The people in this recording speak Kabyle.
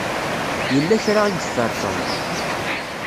Yella kra i yeffer Tom.